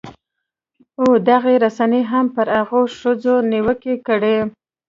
او دغې رسنۍ هم پر هغو ښځو نیوکې کړې